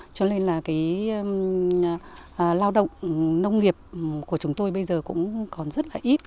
cho nên là lao động nông nghiệp của chúng tôi bây giờ cũng còn rất ít